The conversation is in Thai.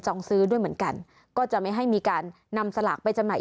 ซื้อด้วยเหมือนกันก็จะไม่ให้มีการนำสลากไปจำหน่าย